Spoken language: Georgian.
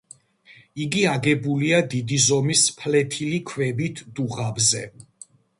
იგი აგებულია დიდი ზომის ფლეთილი ქვებით დუღაბზე.